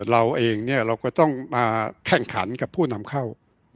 เราเองเราก็ต้องมาแข่งขันกับผู้นำเข้า